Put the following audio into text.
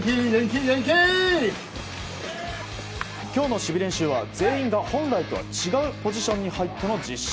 今日の守備練習は全員が本来とは違うポジションに入っての実施。